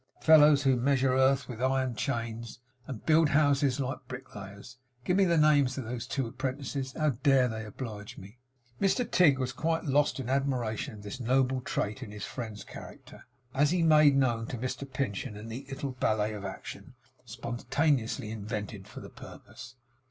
Fellows who measure earth with iron chains, and build houses like bricklayers. Give me the names of those two apprentices. How dare they oblige me!' Mr Tigg was quite lost in admiration of this noble trait in his friend's character; as he made known to Mr Pinch in a neat little ballet of action, spontaneously invented for the purpose.